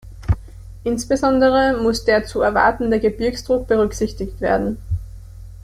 Insbesondere muss der zu erwartende Gebirgsdruck berücksichtigt werden.